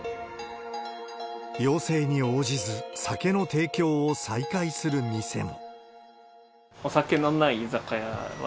要請に応じず、酒の提供を再開する店も。